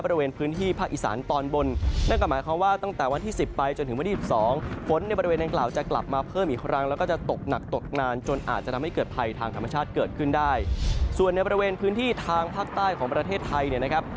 ภาคใต้ของประเทศไทยเนี่ยนะครับ